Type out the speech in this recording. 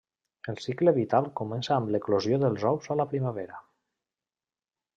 El cicle vital comença amb l'eclosió dels ous a la primavera.